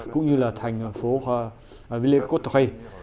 cũng như là thành phố villers côte trey